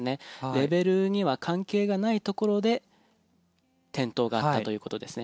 レベルには関係がないところで転倒があったということですね